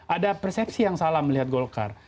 ada persepsi yang salah melihat golkar